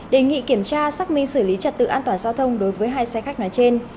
đề nghị kiểm tra xác minh xử lý trật tự an toàn giao thông đối với hai xe khách nói trên